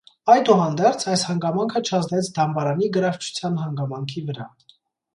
Այդուհանդերձ, այս հանգամանքը չազդեց դամբարանի գրավչության հանգամանքի վրա։